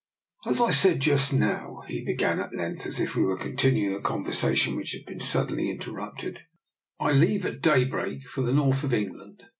" As I said just now," he began at length, as if we were continuing a conversation which had been suddenly interrupted, " I leave at daybreak for the North of England.